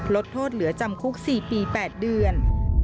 ลดโทษเหลือจำคุก๔ปี๘เดือน